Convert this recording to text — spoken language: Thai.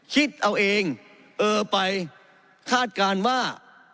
คิดเอาเองเออไปคาดการณ์ว่า